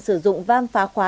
sử dụng vang phá khóa